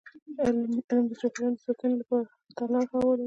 علم د چاپېریال ساتنې ته لاره هواروي.